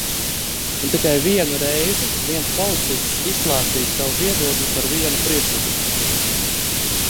Un tikai vienu reizi viens policists izklāstīja savu viedokli par vienu priekšlikumu.